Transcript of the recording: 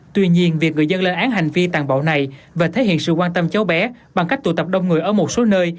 tuy nhiên việc người dân lên án hành vi tàn bạo này và thể hiện sự quan tâm cháu bé bằng cách tụ tập đông người ở một số nơi